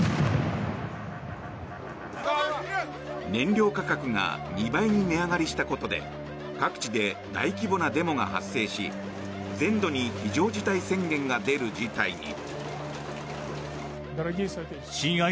燃料価格が２倍に値上がりしたことで各地で大規模なデモが発生し全土に非常事態宣言が出る事態に。